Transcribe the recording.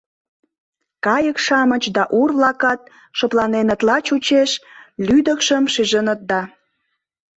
Кайык-шамыч да ур-влакат шыпланенытла чучеш, лӱдыкшым шижыныт да.